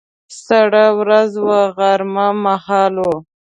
سړه ورځ وه، غرمه مهال و.